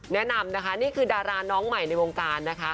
แนะนำนะคะนี่คือดาราน้องใหม่ในวงการนะคะ